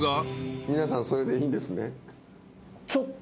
皆さんそれでいいんですね？